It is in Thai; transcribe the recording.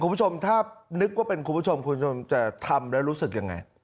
คุณผู้ชมถ้านึกว่าเป็นคุณผู้ชมคุณผู้ชมจะทำแล้วรู้สึกยังไง